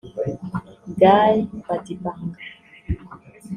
Guy Badibanga